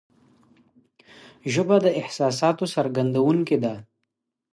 ژبه د احساساتو څرګندونکې ده